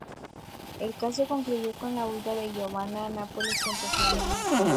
El caso concluyó con la huida de Giovanna a Nápoles junto a su hermano.